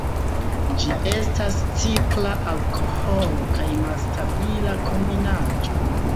Ĝi estas cikla alkoholo kaj malstabila kombinaĵo.